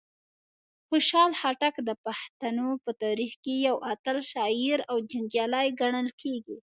خوشحال خټک د پښتنو په تاریخ کې یو اتل شاعر او جنګیالی ګڼل کیږي.